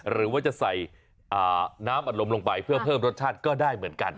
หรือว่าจะใส่น้ำอัดลมลงไปเพื่อเพิ่มรสชาติก็ได้เหมือนกัน